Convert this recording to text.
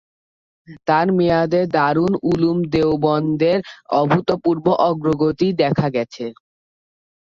তার মেয়াদে দারুল উলুম দেওবন্দের অভূতপূর্ব অগ্রগতি দেখা গেছে।